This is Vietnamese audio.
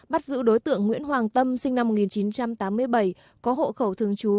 bắt giữ đối tượng nguyễn hoàng tâm sinh năm một nghìn chín trăm tám mươi bảy có hộ khẩu thường trú